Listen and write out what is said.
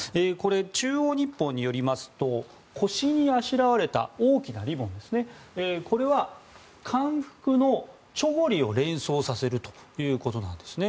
中央日報によりますと腰にあしらわれた大きなリボンこれは韓服のチョゴリを連想させるということなんです。